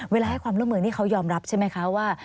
ให้ความร่วมมือนี่เขายอมรับใช่ไหมคะว่า